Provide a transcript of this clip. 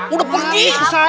udah pergi ke sana